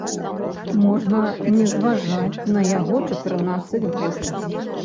Можна не зважаць на яго чатырнаццаць год.